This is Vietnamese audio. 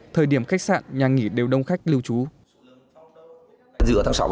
thời điểm khách sạn nhà nghỉ đều đông khách lưu trú